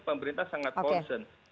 pemerintah sangat konsen